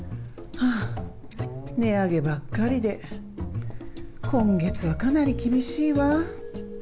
値上げばっかりで、今月はかなり厳しいわ。